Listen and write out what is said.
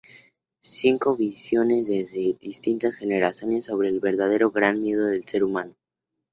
Cinco visiones desde distintas generaciones sobre el verdadero gran miedo del ser humano.